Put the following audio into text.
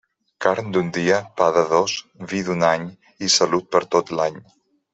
Carn d'un dia, pa de dos, vi d'un any i salut per tot l'any.